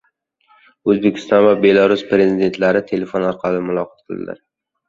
O‘zbekiston va Belarus prezidentlari telefon orqali muloqot qildilar